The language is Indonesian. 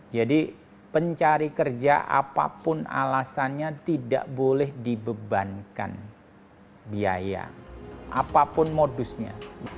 jadi pencari kerja apapun alasannya tidak boleh dibebankan biaya apapun modusnya